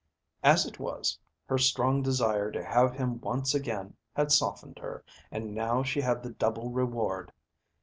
As it was, her strong desire to have him once again had softened her, and now she had the double reward.